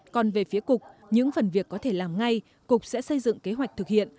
còn về phía cục những phần việc có thể làm ngay cục sẽ xây dựng kế hoạch thực hiện